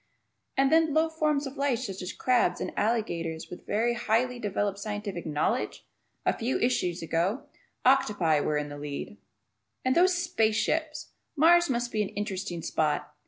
And then low forms of life such as crabs and alligators with very highly developed scientific knowledge! A few issues ago octopi were in the lead! And those "space" ships! Mars must be an interesting spot.